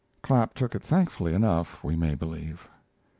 Clapp took it thankfully enough, we may believe.